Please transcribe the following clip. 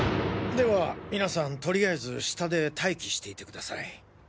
では皆さんとりあえず下で待機していてください。